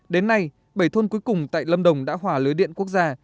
đến nay bảy thôn cuối cùng tại lâm đồng đã hòa lưới điện quốc gia